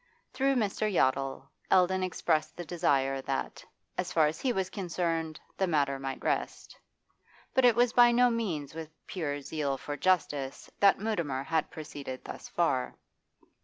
Through Mr. Yottle, Eldon expressed the desire that, as far as he was concerned, the matter might rest. But it was by no means with pure zeal for justice that Mutimer had proceeded thus far.